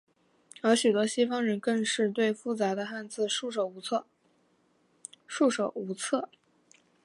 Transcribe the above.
而许多西方人更是对复杂的汉字束手无策。